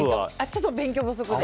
ちょっと、勉強不足で。